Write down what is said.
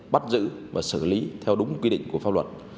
bắt giữ và xử lý theo đúng quy định của pháp luật